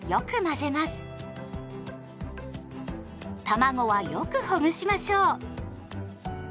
たまごはよくほぐしましょう。